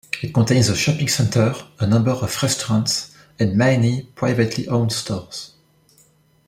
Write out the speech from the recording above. It contains a shopping center, a number of restaurants, and many privately owned stores.